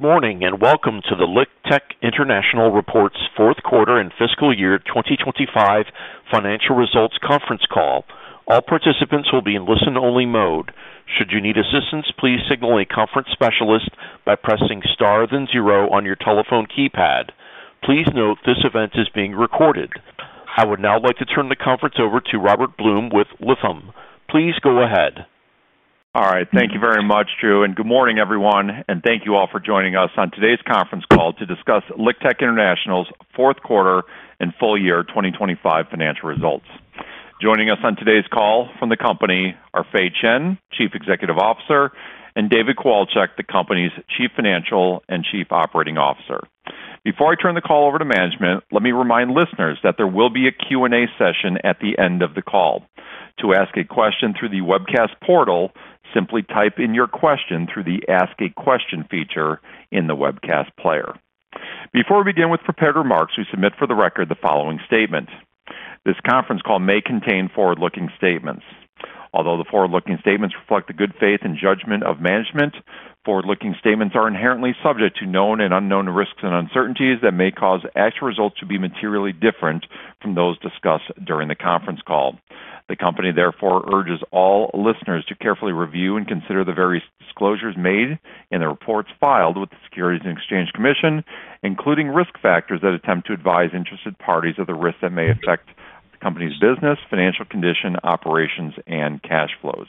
Morning, and welcome to the LiqTech International reports Fourth Quarter and Fiscal Year 2025 Financial Results Conference Call. All participants will be in listen-only mode. Should you need assistance, please signal a conference specialist by pressing star then zero on your telephone keypad. Please note, this event is being recorded. I would now like to turn the conference over to Robert Blum with Lytham. Please go ahead. All right. Thank you very much, Drew, and good morning, everyone, and thank you all for joining us on today's conference call to discuss LiqTech International's Fourth Quarter and Full Year 2025 Financial Results. Joining us on today's call from the company are Fei Chen, Chief Executive Officer, and David Kowalczyk, the company's Chief Financial and Chief Operating Officer. Before I turn the call over to management, let me remind listeners that there will be a Q&A session at the end of the call. To ask a question through the webcast portal, simply type in your question through the Ask a Question feature in the webcast player. Before we begin with prepared remarks, we submit for the record the following statement. This conference call may contain forward-looking statements. Although the forward-looking statements reflect the good faith and judgment of management, forward-looking statements are inherently subject to known and unknown risks and uncertainties that may cause actual results to be materially different from those discussed during the conference call. The company therefore urges all listeners to carefully review and consider the various disclosures made in the reports filed with the Securities and Exchange Commission, including risk factors that attempt to advise interested parties of the risks that may affect the company's business, financial condition, operations, and cash flows.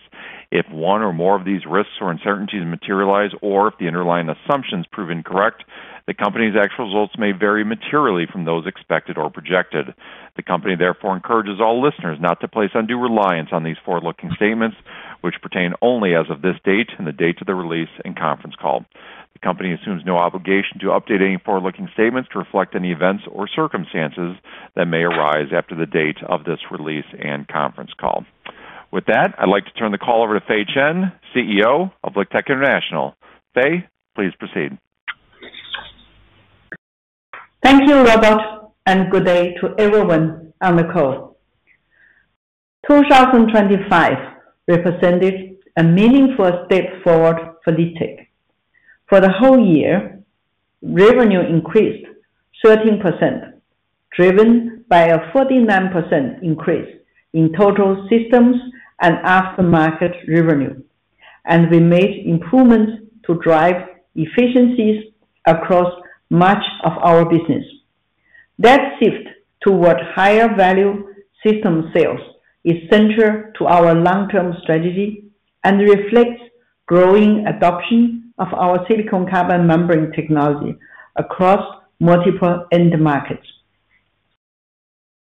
If one or more of these risks or uncertainties materialize, or if the underlying assumptions prove incorrect, the company's actual results may vary materially from those expected or projected. The company therefore encourages all listeners not to place undue reliance on these forward-looking statements, which pertain only as of this date and the date of the release and conference call. The company assumes no obligation to update any forward-looking statements to reflect any events or circumstances that may arise after the date of this release and conference call. With that, I'd like to turn the call over to Fei Chen, CEO of LiqTech International. Fei, please proceed. Thank you, Robert, and good day to everyone on the call. 2025 represented a meaningful step forward for LiqTech. For the whole year, revenue increased 13%, driven by a 49% increase in total systems and aftermarket revenue, and we made improvements to drive efficiencies across much of our business. That shift toward higher value system sales is central to our long-term strategy and reflects growing adoption of our silicon carbide membrane technology across multiple end markets.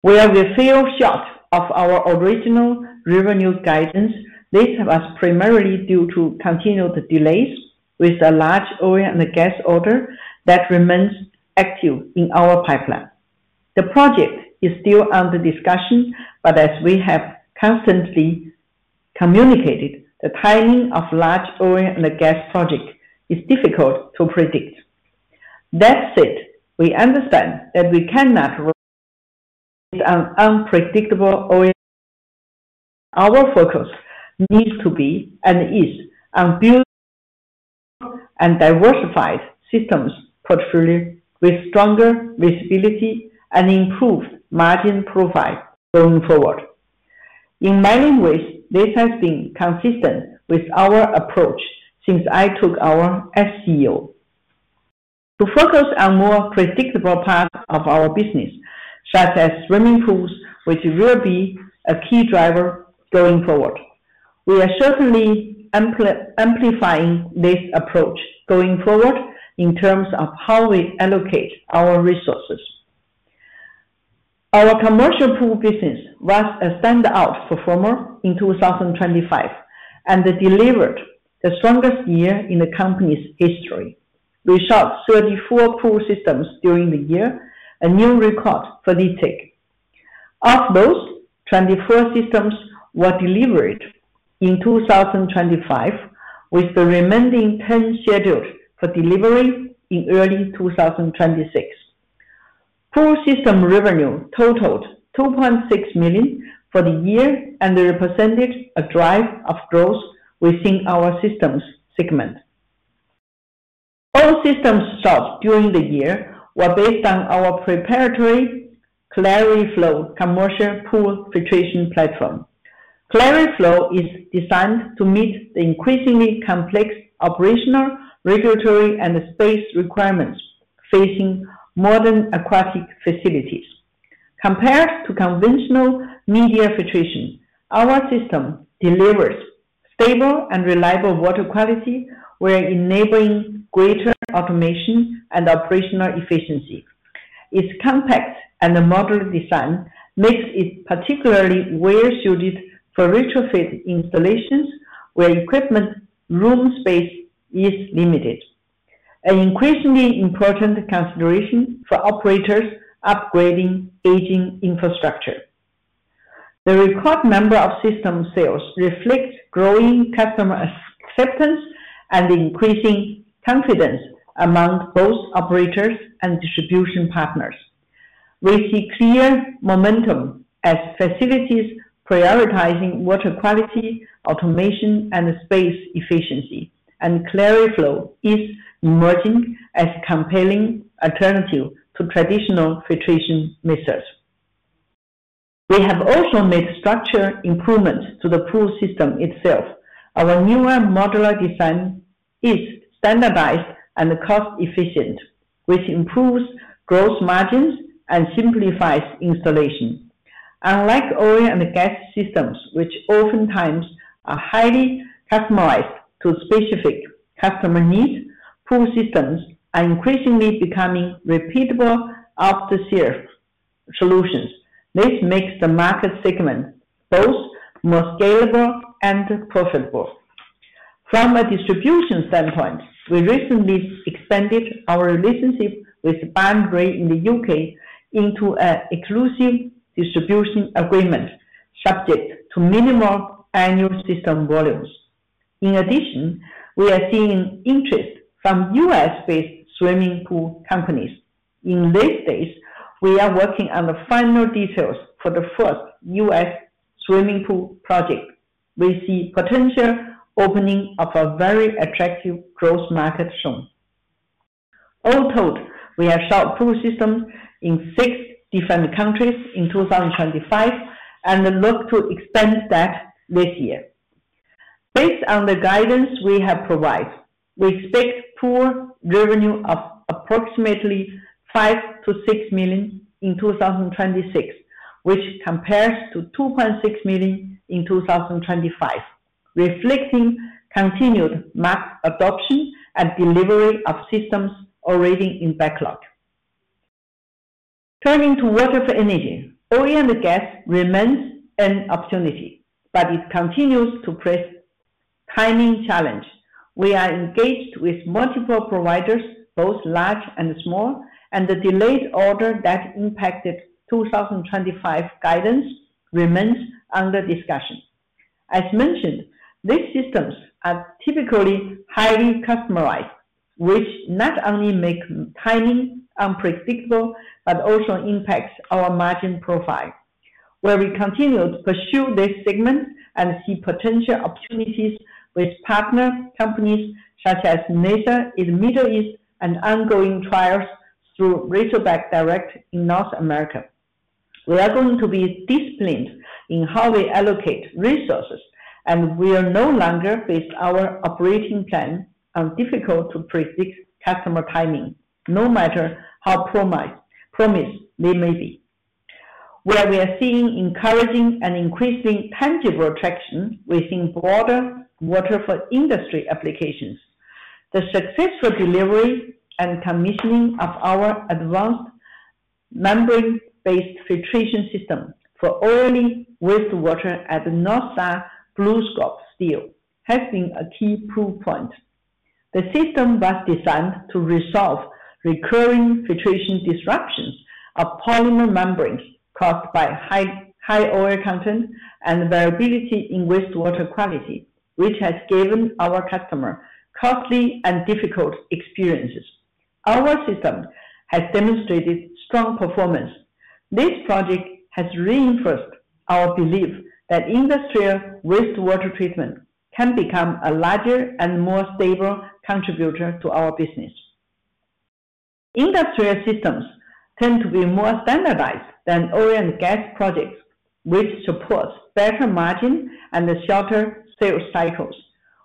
While we fell short of our original revenue guidance, this was primarily due to continued delays with a large oil and gas order that remains active in our pipeline. The project is still under discussion, but as we have constantly communicated, the timing of large oil and gas project is difficult to predict. That said, we understand that we cannot run on unpredictable oil. Our focus needs to be and is on building and diversified systems portfolio with stronger visibility and improved margin profile going forward. In many ways, this has been consistent with our approach since I took over as CEO. To focus on more predictable parts of our business, such as swimming pools, which will be a key driver going forward. We are certainly amplifying this approach going forward in terms of how we allocate our resources. Our commercial pool business was a standout performer in 2025, and it delivered the strongest year in the company's history. We sold 34 pool systems during the year, a new record for LiqTech. Of those, 24 systems were delivered in 2025, with the remaining 10 scheduled for delivery in early 2026. Pool system revenue totaled $2.6 million for the year, represented a drive of growth within our systems segment. All systems sold during the year were based on our proprietary QlariFlow commercial pool filtration platform. QlariFlow is designed to meet the increasingly complex operational, regulatory, and space requirements facing modern aquatic facilities. Compared to conventional media filtration, our system delivers stable and reliable water quality, while enabling greater automation and operational efficiency. Its compact and modular design makes it particularly well-suited for retrofit installations, where equipment room space is limited, an increasingly important consideration for operators upgrading aging infrastructure. The record number of system sales reflects growing customer acceptance and increasing confidence among both operators and distribution partners. We see clear momentum as facilities prioritizing water quality, automation, and space efficiency, and QlariFlow is emerging as compelling alternative to traditional filtration methods. We have also made structural improvements to the pool system itself. Our newer modular design is standardized and cost-efficient, which improves gross margins and simplifies installation. Unlike oil and gas systems, which oftentimes are highly customized to specific customer needs, pool systems are increasingly becoming repeatable off-the-shelf solutions. This makes the market segment both more scalable and profitable. From a distribution standpoint, we recently expanded our relationship with Boundary in the U.K. into an exclusive distribution agreement, subject to minimal annual system volumes. In addition, we are seeing interest from U.S.-based swimming pool companies. In these days, we are working on the final details for the first U.S. swimming pool project. We see potential opening of a very attractive growth market soon. All told, we have sold pool systems in six different countries in 2025, and look to expand that this year. Based on the guidance we have provided, we expect pool revenue of approximately $5 million-$6 million in 2026, which compares to $2.6 million in 2025, reflecting continued mass adoption and delivery of systems already in backlog. Turning to water for energy, oil and gas remains an opportunity. It continues to create timing challenge. We are engaged with multiple providers, both large and small. The delayed order that impacted 2025 guidance remains under discussion. As mentioned, these systems are typically highly customized, which not only make timing unpredictable, but also impacts our margin profile. Where we continue to pursue this segment and see potential opportunities with partner companies, such as NESR in the Middle East and ongoing trials through Razorback Direct in North America. We are going to be disciplined in how we allocate resources. We are no longer base our operating plan on difficult-to-predict customer timing, no matter how promised they may be. Where we are seeing encouraging and increasing tangible traction within broader water for industry applications, the successful delivery and commissioning of our advanced membrane-based filtration system for oily wastewater at North Star BlueScope Steel has been a key proof point. The system was designed to resolve recurring filtration disruptions of polymeric membranes caused by high oil content and variability in wastewater quality, which has given our customer costly and difficult experiences. Our system has demonstrated strong performance. This project has reinforced our belief that industrial wastewater treatment can become a larger and more stable contributor to our business. Industrial systems tend to be more standardized than oil and gas projects, which supports better margin and the shorter sales cycles.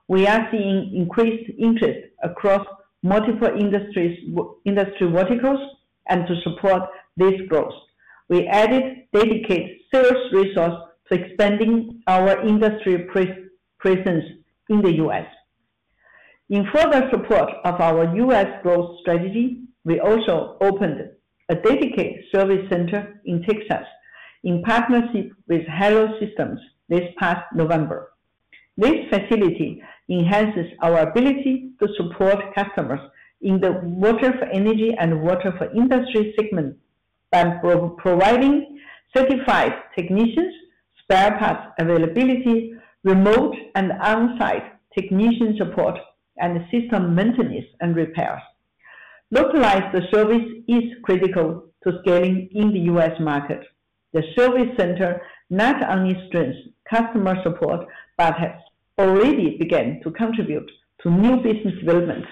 We are seeing increased interest across multiple industries, industry verticals. To support this growth, we added dedicated sales resources to expanding our industry presence in the U.S. In further support of our U.S. growth strategy, we also opened a dedicated service center in Texas, in partnership with Halo Systems this past November. This facility enhances our ability to support customers in the water for energy and water for industry segments by providing certified technicians, spare parts availability, remote and on-site technician support, and system maintenance and repairs. Localized service is critical to scaling in the U.S. market. The service center not only strengthens customer support, but has already begun to contribute to new business developments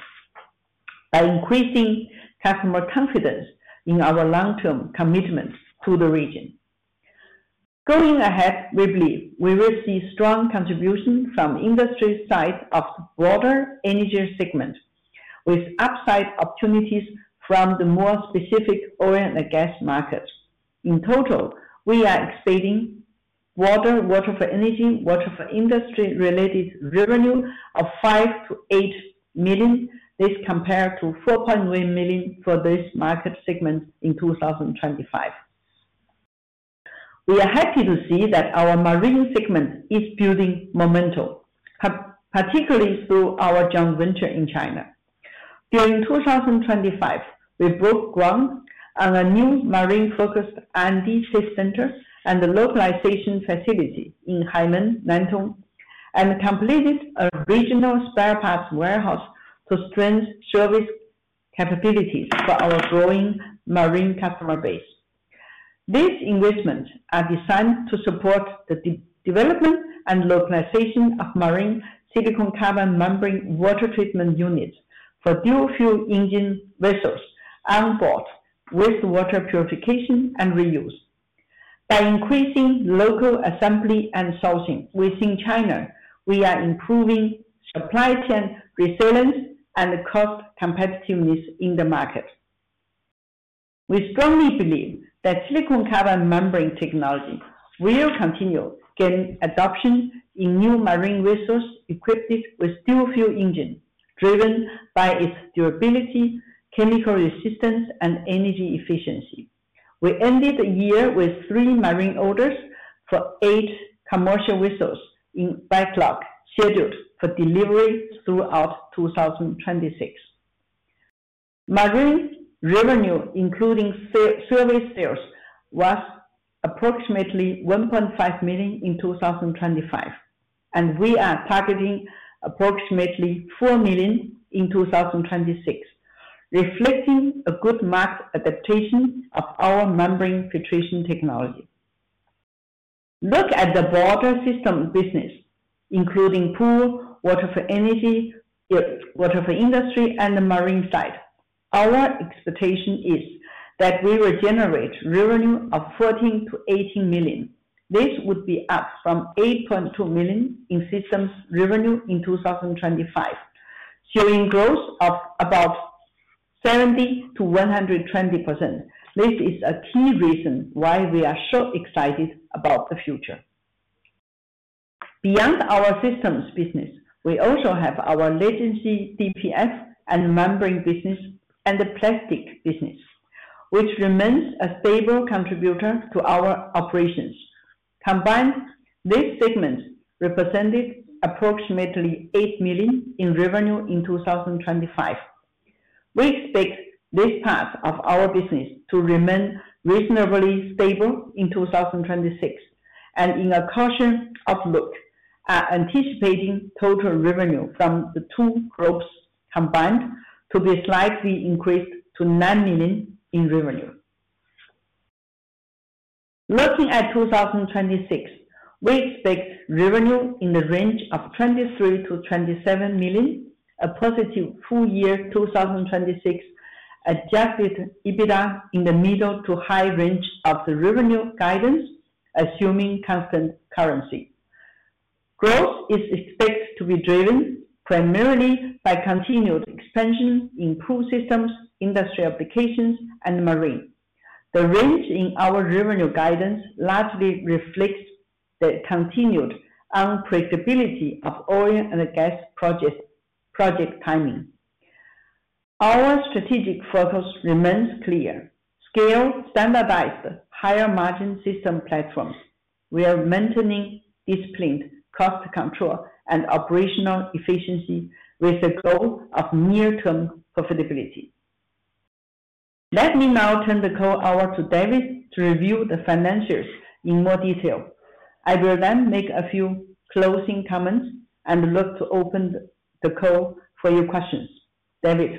by increasing customer confidence in our long-term commitments to the region. Going ahead, we believe we will see strong contribution from industry side of broader energy segment, with upside opportunities from the more specific oil and gas markets. In total, we are expecting water for energy, water for industry-related revenue of $5 million-$8 million. This compared to $4.1 million for this market segment in 2025. We are happy to see that our marine segment is building momentum, particularly through our joint venture in China. During 2025, we broke ground on a new marine-focused R&D sales center and the localization facility in Haimen, Nantong. Completed a regional spare parts warehouse to strengthen service capabilities for our growing marine customer base. These investments are designed to support the development and localization of marine silicon carbide membrane water treatment units for dual-fuel engine vessels on board with water purification and reuse. By increasing local assembly and sourcing within China, we are improving supply chain resilience and cost competitiveness in the market. We strongly believe that silicon carbide membrane technology will continue gaining adoption in new marine vessels equipped with dual-fuel engine, driven by its durability, chemical resistance, and energy efficiency. We ended the year with three marine orders for eight commercial vessels in backlog, scheduled for delivery throughout 2026. Marine revenue, including service sales, was approximately $1.5 million in 2025, and we are targeting approximately $4 million in 2026, reflecting a good market adaptation of our membrane filtration technology. Look at the broader system business, including pool, water for energy, water for industry, and the marine side. Our expectation is that we will generate revenue of $14 million-$18 million. This would be up from $8.2 million in systems revenue in 2025, showing growth of about 70%-120%. This is a key reason why we are so excited about the future. Beyond our systems business, we also have our legacy DPF and membrane business, and the plastic business, which remains a stable contributor to our operations. Combined, these segments represented approximately $8 million in revenue in 2025. We expect this part of our business to remain reasonably stable in 2026, and in a caution outlook, are anticipating total revenue from the two groups combined to be slightly increased to $9 million in revenue. Looking at 2026, we expect revenue in the range of $23 million-$27 million, a positive full year 2026 adjusted EBITDA in the middle to high range of the revenue guidance, assuming constant currency. Growth is expected to be driven primarily by continued expansion in pool systems, industry applications, and marine. The range in our revenue guidance largely reflects the continued unpredictability of oil and gas project timing. Our strategic focus remains clear: scale, standardized, higher margin system platforms. We are maintaining disciplined cost control and operational efficiency with the goal of near-term profitability. Let me now turn the call over to David to review the financials in more detail. I will then make a few closing comments and look to open the call for your questions. David?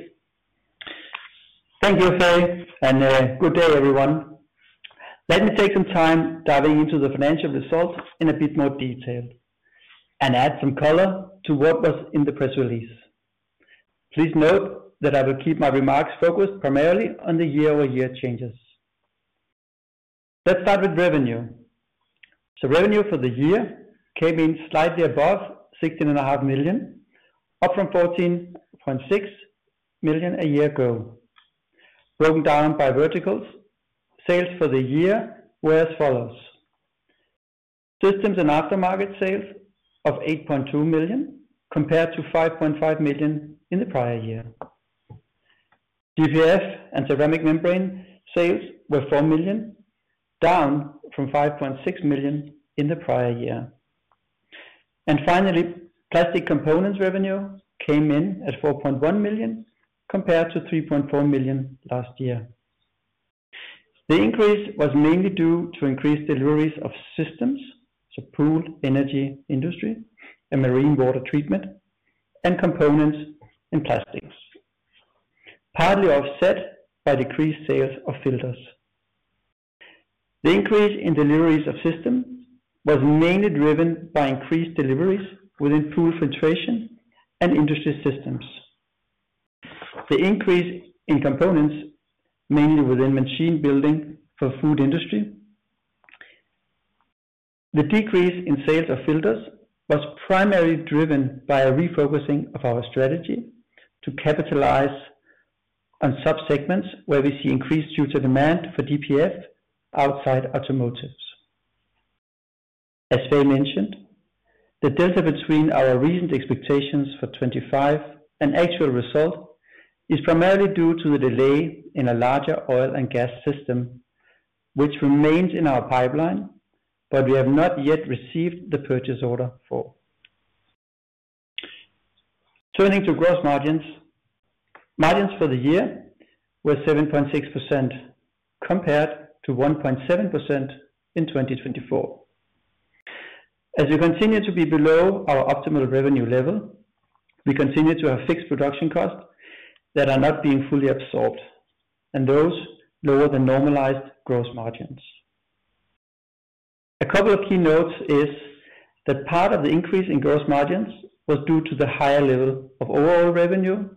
Thank you, Fei, and good day, everyone. Let me take some time diving into the financial results in a bit more detail, and add some color to what was in the press release. Please note that I will keep my remarks focused primarily on the year-over-year changes. Let's start with revenue. Revenue for the year came in slightly above $16.5 million, up from $14.6 million a year ago. Broken down by verticals, sales for the year were as follows: systems and aftermarket sales of $8.2 million, compared to $5.5 million in the prior year. DPF and ceramic membrane sales were $4 million, down from $5.6 million in the prior year. Finally, plastic components revenue came in at $4.1 million, compared to $3.4 million last year. The increase was mainly due to increased deliveries of systems, so pool, energy, industry, and marine water treatment, and components in plastics, partly offset by decreased sales of filters. The increase in deliveries of system was mainly driven by increased deliveries within pool filtration and industry systems. The increase in components, mainly within machine building for food industry. The decrease in sales of filters was primarily driven by a refocusing of our strategy to capitalize on sub-segments where we see increased due to demand for DPF outside automotives. As Fei mentioned, the delta between our recent expectations for 2025 and actual result is primarily due to the delay in a larger oil and gas system, which remains in our pipeline, but we have not yet received the purchase order for. Turning to gross margins. Margins for the year were 7.6%, compared to 1.7% in 2024. As we continue to be below our optimal revenue level, we continue to have fixed production costs that are not being fully absorbed, and those lower than normalized gross margins. A couple of key notes is that part of the increase in gross margins was due to the higher level of overall revenue,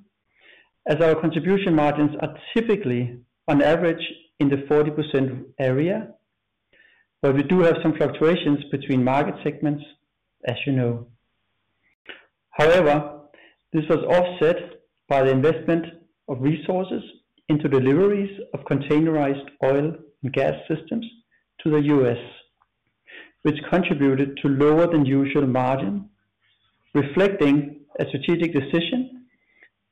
as our contribution margins are typically on average in the 40% area, but we do have some fluctuations between market segments, as you know. This was offset by the investment of resources into deliveries of containerized oil and gas systems to the U.S., which contributed to lower than usual margin, reflecting a strategic decision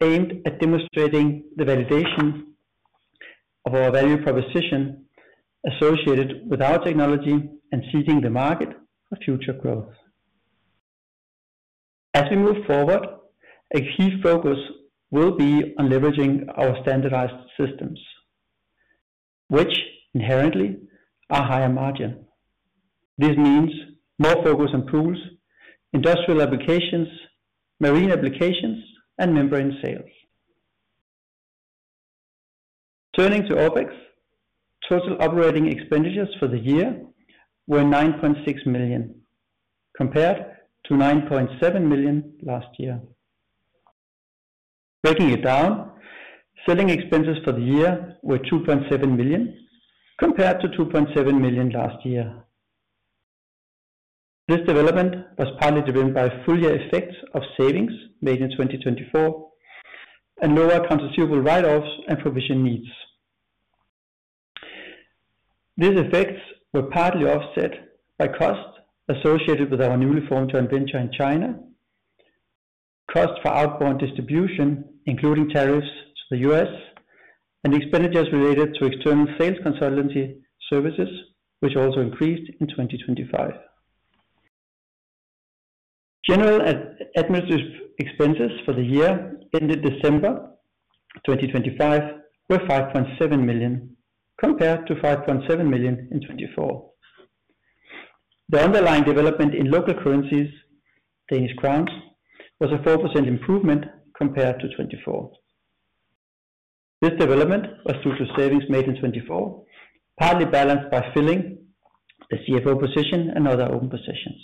aimed at demonstrating the validation of our value proposition associated with our technology and seeding the market for future growth. As we move forward, a key focus will be on leveraging our standardized systems, which inherently are higher margin. This means more focus on pools, industrial applications, marine applications, and membrane sales. Turning to OpEx, total operating expenditures for the year were $9.6 million, compared to $9.7 million last year. Breaking it down, selling expenses for the year were $2.7 million, compared to $2.7 million last year. This development was partly driven by full year effects of savings made in 2024, and lower consumable write-offs and provision needs. These effects were partly offset by costs associated with our newly formed joint venture in China, cost for outbound distribution, including tariffs to the U.S., and expenditures related to external sales consultancy services, which also increased in 2025. General administrative expenses for the year ended December 2025, were $5.7 million, compared to $5.7 million in 2024. The underlying development in local currencies, Danish crowns, was a 4% improvement compared to 2024. This development was due to savings made in 2024, partly balanced by filling the CFO position and other open positions.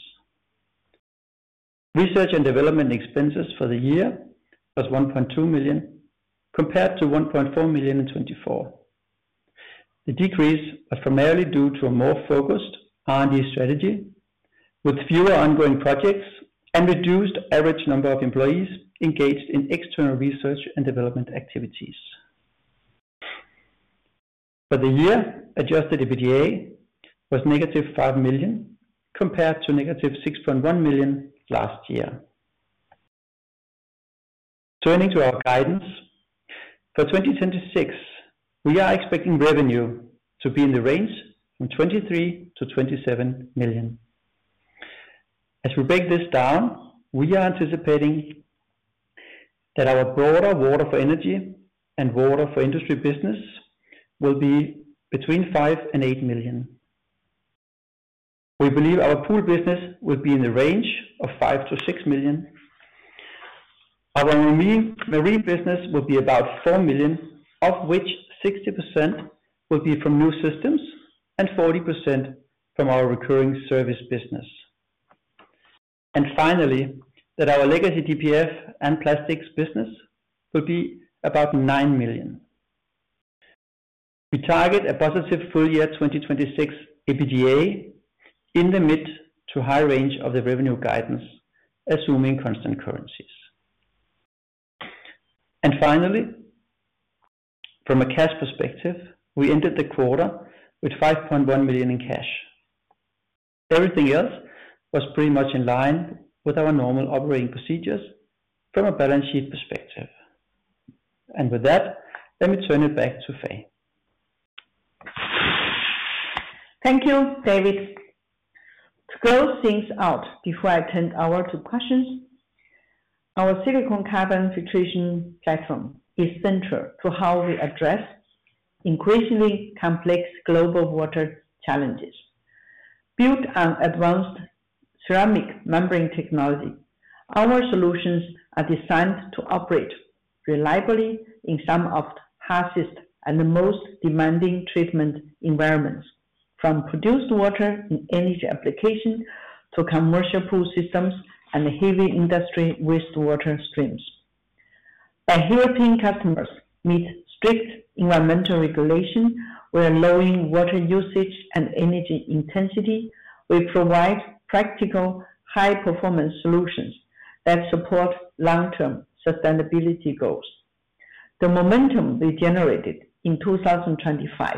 Research and development expenses for the year was $1.2 million, compared to $1.4 million in 2024. The decrease was primarily due to a more focused R&D strategy, with fewer ongoing projects and reduced average number of employees engaged in external research and development activities. For the year, adjusted EBITDA was -$5 million, compared to -$6.1 million last year. Turning to our guidance. For 2026, we are expecting revenue to be in the range from $23 million-$27 million. As we break this down, we are anticipating that our broader water for energy and water for industry business will be between $5 million and $8 million. We believe our pool business will be in the range of $5 million-$6 million. Our marine business will be about $4 million, of which 60% will be from new systems and 40% from our recurring service business. Finally, that our legacy DPF and plastics business will be about $9 million. We target a positive full year 2026 EBITDA in the mid to high range of the revenue guidance, assuming constant currencies. Finally, from a cash perspective, we ended the quarter with $5.1 million in cash. Everything else was pretty much in line with our normal operating procedures from a balance sheet perspective. With that, let me turn it back to Fei. Thank you, David. To close things out before I turn over to questions, our silicon carbide filtration platform is central to how we address increasingly complex global water challenges. Built on advanced ceramic membrane technology, our solutions are designed to operate reliably in some of the harshest and most demanding treatment environments, from produced water in energy application to commercial pool systems and heavy industry wastewater streams. By helping customers meet strict environmental regulation, we are lowering water usage and energy intensity. We provide practical, high-performance solutions that support long-term sustainability goals. The momentum we generated in 2025,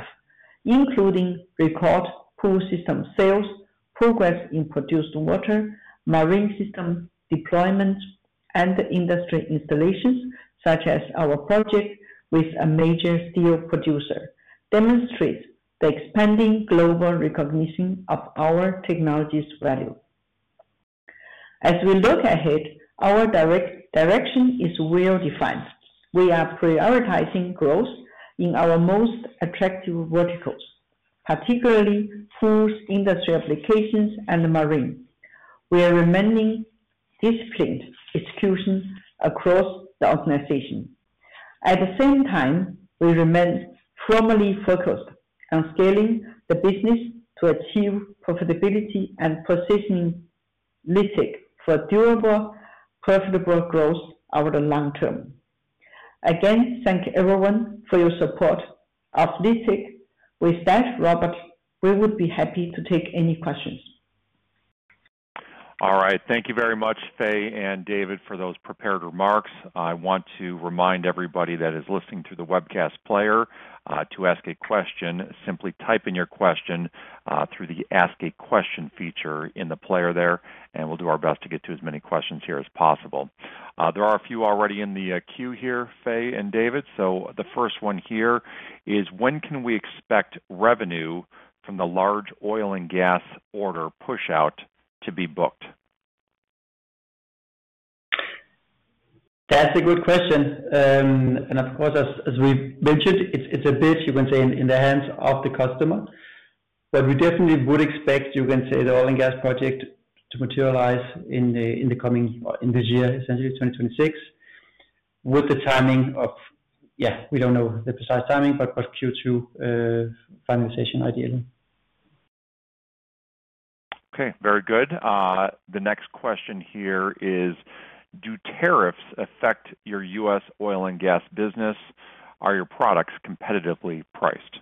including record pool system sales, progress in produced water, marine system deployment, and industry installations, such as our project with a major steel producer, demonstrates the expanding global recognition of our technology's value. As we look ahead, our direction is well defined. We are prioritizing growth in our most attractive verticals, particularly foods, industry applications, and marine. We are remaining disciplined execution across the organization. At the same time, we remain firmly focused on scaling the business to achieve profitability and positioning LiqTech for durable, profitable growth over the long term. Again, thank everyone for your support of LiqTech. With that, Robert, we would be happy to take any questions. All right. Thank you very much, Fei and David, for those prepared remarks. I want to remind everybody that is listening to the webcast player, to ask a question, simply type in your question through the Ask a Question feature in the player there, we'll do our best to get to as many questions here as possible. There are a few already in the queue here, Fei and David. The first one here is: When can we expect revenue from the large oil and gas order push-out to be booked? That's a good question. Of course, as we mentioned, it's a bit, you can say, in the hands of the customer, but we definitely would expect, you can say, the oil and gas project to materialize in the coming, in this year, essentially 2026, with the timing of. Yeah, we don't know the precise timing, but Q2 finalization, ideally. Okay, very good. The next question here is: Do tariffs affect your U.S. oil and gas business? Are your products competitively priced?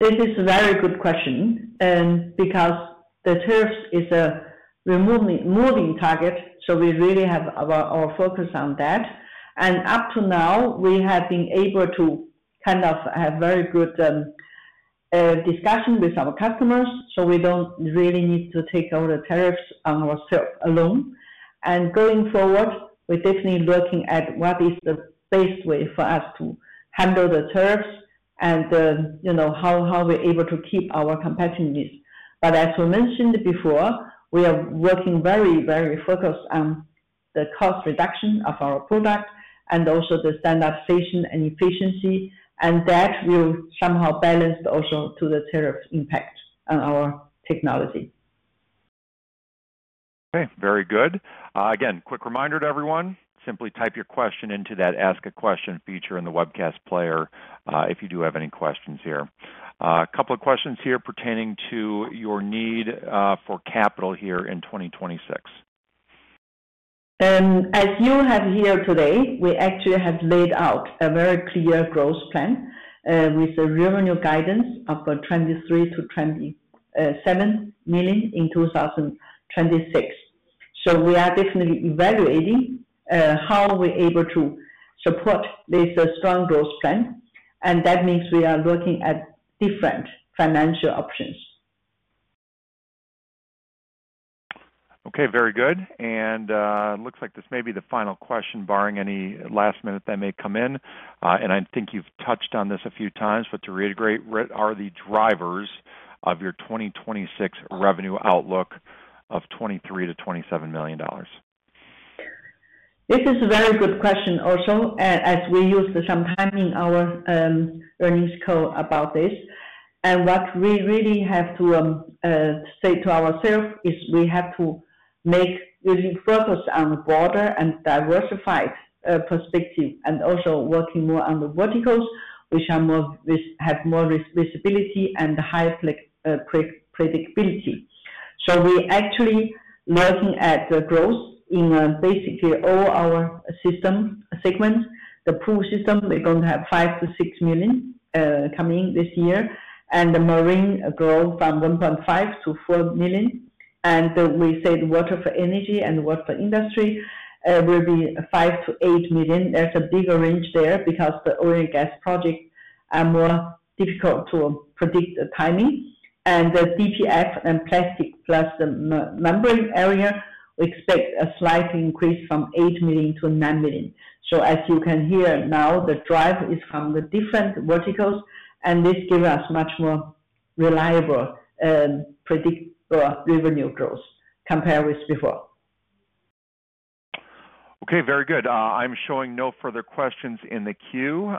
This is a very good question because the tariffs is a moving target, so we really have our focus on that. Up to now, we have been able to kind of have very good discussion with our customers, so we don't really need to take all the tariffs on ourself alone. Going forward, we're definitely looking at what is the best way for us to handle the tariffs and, you know, how we're able to keep our competitiveness. As we mentioned before, we are working very focused on the cost reduction of our product and also the standardization and efficiency, and that will somehow balance also to the tariff impact on our technology. Okay, very good. Again, quick reminder to everyone, simply type your question into that Ask a Question feature in the webcast player, if you do have any questions here. A couple of questions here pertaining to your need, for capital here in 2026. As you have heard today, we actually have laid out a very clear growth plan, with a revenue guidance of $23 million-$27 million in 2026. We are definitely evaluating how we're able to support this strong growth plan, and that means we are looking at different financial options. Okay, very good. Looks like this may be the final question, barring any last minute that may come in. I think you've touched on this a few times, but to reiterate, what are the drivers of your 2026 revenue outlook of $23 million-$27 million? This is a very good question also, as we use some time in our earnings call about this. What we really have to say to ourselves is we have to make really focus on the broader and diversified perspective, and also working more on the verticals, which are more, which have more visibility and higher predictability. We're actually working at the growth in basically all our system segments. The pool system, we're going to have $5 million-$6 million coming this year, and the marine grow from $1.5 million-$4 million. We said, water for energy and water for industry will be $5 million-$8 million. There's a bigger range there, because the oil and gas projects are more difficult to predict the timing. The DPF and plastic, plus the membrane area, we expect a slight increase from $8 million-$9 million. As you can hear now, the drive is from the different verticals, and this give us much more reliable, predict revenue growth compared with before. Okay, very good. I'm showing no further questions in the queue.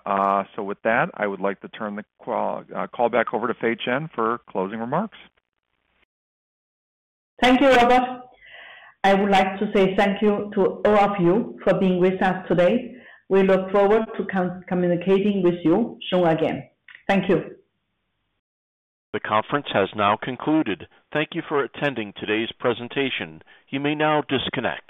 With that, I would like to turn the call back over to Fei Chen for closing remarks. Thank you, Robert. I would like to say thank you to all of you for being with us today. We look forward to communicating with you soon again. Thank you. The conference has now concluded. Thank You for attending today's presentation. You may now disconnect.